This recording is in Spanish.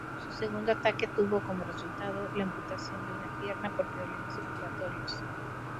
Su segundo ataque tuvo como resultado la amputación de una pierna por problemas circulatorios.